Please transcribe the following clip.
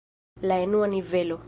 La enua nivelo.